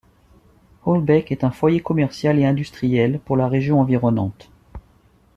Holbæk est un foyer commercial et industriel pour la région environnante.